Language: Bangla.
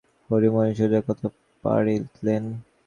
হরিমোহিনী সুচরিতার কথা পাড়িলেন।